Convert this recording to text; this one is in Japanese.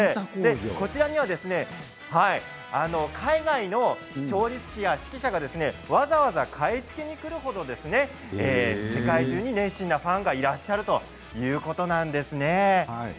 こちらには海外の調律師や指揮者がわざわざ買い付けにくる程世界中に熱心なファンがいらっしゃるということなんです。